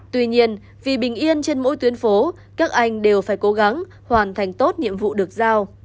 tuy nhiên vì bình yên trên mỗi tuyến phố các anh đều phải cố gắng hoàn thành tốt nhiệm vụ được giao